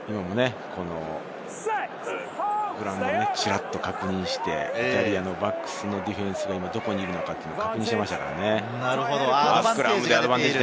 グラウンドをちらっと確認して、イタリアのバックスのディフェンスが、どこにいるのか、確認していましたね。